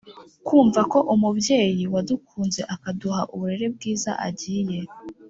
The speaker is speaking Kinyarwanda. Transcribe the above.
kumva ko umubyeyi wadukunze akaduha uburere bwiza, agiye